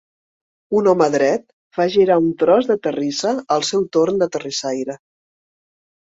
Un home dret fa girar un tros de terrissa al seu torn de terrissaire.